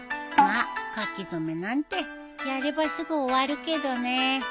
まあ書き初めなんてやればすぐ終わるけどね。